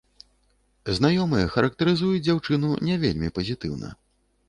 Знаёмыя характарызуюць дзяўчыну не вельмі пазітыўна.